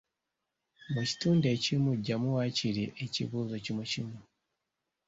Mu kitundu ekimu ggyamu waakiri ekibuuzo kimu kimu.